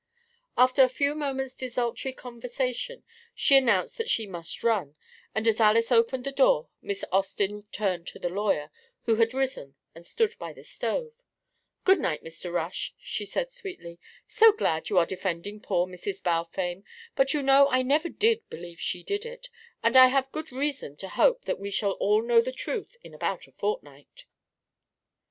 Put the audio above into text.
After a few moments' desultory conversation, she announced that she "must run," and as Alys opened the door, Miss Austin turned to the lawyer, who had risen and stood by the stove. "Good night, Mr. Rush," she said sweetly. "So glad you are defending poor Mrs. Balfame, but you know I never did believe she did it, and I have good reason to hope that we shall all know the truth in about a fortnight."